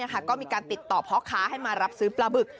ก็มีการติดต่อพ่อค้าให้มารับซื้อปลาบึก